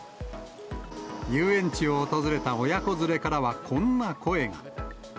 遊園地を訪れた親子連れからはこんな声が。